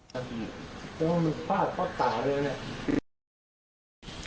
มันพลาดพลาดตาเลยนะ